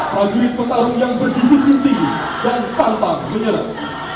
prajurit petarung yang berdisi tinggi dan pantang menyerang